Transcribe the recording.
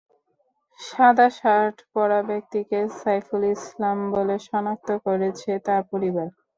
সাদা শার্ট পরা ব্যক্তিকে সাইফুল ইসলাম বলে শনাক্ত করেছে তাঁর পরিবার।